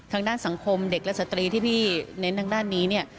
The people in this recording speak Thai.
ทางด้านสังคมเด็กและสตรีที่พี่เน้นทางด้านนี้เนี่ย